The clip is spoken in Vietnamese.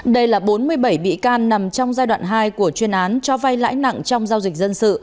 đây là bốn mươi bảy bị can nằm trong giai đoạn hai của chuyên án cho vay lãi nặng trong giao dịch dân sự